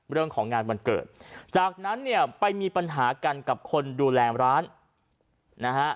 เรื่องของงานวันเกิดจากนั้นเนี่ยไปมีปัญหากันกับคนดูแลร้านนะฮะ